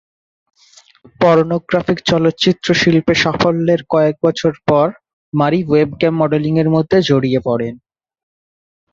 Pornographic চলচ্চিত্র শিল্পে সাফল্যের কয়েক বছর পর, মারি ওয়েবক্যাম মডেলিংয়ের মধ্যে জড়িয়ে পড়েন।